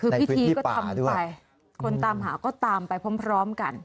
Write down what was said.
คือพิธีก็ทำไปคนตามหาก็ตามไปพร้อมกัน